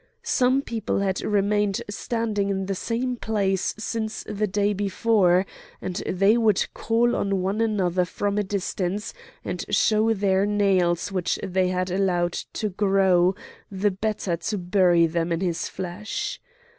Some people had remained standing in the same place since the day before, and they would call on one another from a distance and show their nails which they had allowed to grow, the better to bury them into his flesh.